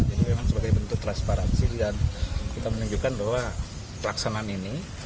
memang sebagai bentuk transparansi dan kita menunjukkan bahwa pelaksanaan ini